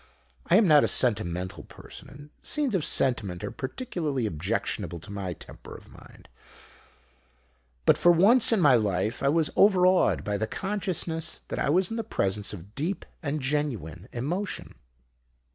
I am not a sentimental person, and scenes of sentiment are particularly objectionable to my temper of mind; but for once in my life I was overawed by the consciousness that I was in the presence of deep and genuine emotion.